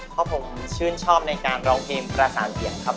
เพราะผมชื่นชอบในการร้องเพลงประสานเสียงครับ